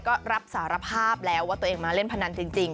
ก็รับสารภาพแล้วว่าตัวเองมาเล่นพนันจริง